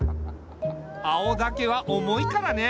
青竹は重いからね。